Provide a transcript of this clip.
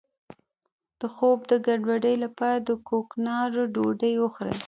د خوب د ګډوډۍ لپاره د کوکنارو ډوډۍ وخورئ